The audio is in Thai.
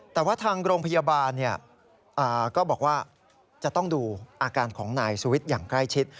แต่ว่าทางโรงพยาบาลก็บอกว่าจะต้องดูอาการของนายสุวิทย์อย่างใกล้ชิด